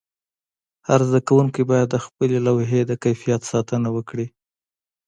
هر زده کوونکی باید د خپلې لوحې د کیفیت ساتنه وکړي.